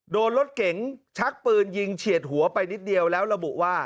โดนรถเก๋งชักปืนยิงเฉียดหัวไปนิดเดียวแล้วระบุว่า